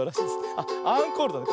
あっアンコールだね。